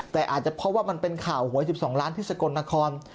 แต่อาจจะเพราะว่ามันเป็นข่าวหวย๑๒ล้านที่สกลนคร